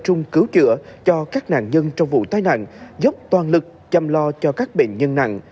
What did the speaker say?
trung cứu chữa cho các nạn nhân trong vụ tai nạn dốc toàn lực chăm lo cho các bệnh nhân nặng